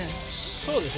そうですね。